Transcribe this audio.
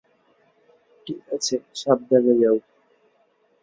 ঠিক আছে, সাবধানে যাও।